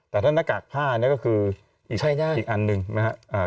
แต่ถ้าหน้ากากผ้าเนี่ยก็คืออีกอันหนึ่งนะครับ